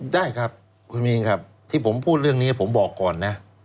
ได้ครับคุณมินครับที่ผมพูดเรื่องนี้ผมบอกก่อนนะ